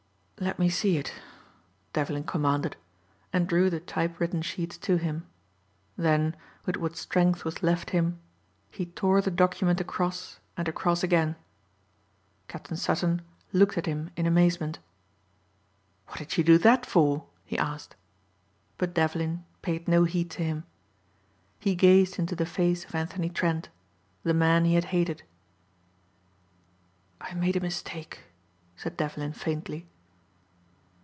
"Let me see it," Devlin commanded and drew the typewritten sheets to him. Then, with what strength was left him, he tore the document across and across again. Captain Sutton looked at him in amazement. "What did you do that for?" he asked. But Devlin paid no heed to him. He gazed into the face of Anthony Trent, the man he had hated. "I made a mistake," said Devlin faintly.